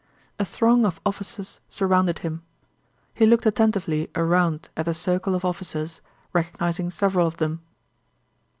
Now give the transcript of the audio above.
A throng of officers surrounded him. He looked attentively around at the circle of officers, recognizing several of them.